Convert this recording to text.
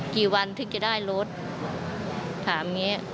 กี่วันถึงจะได้รถถามอย่างนี้